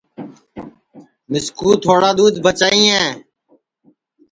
مِسکُو تھوڑا دُدھ بچائیئے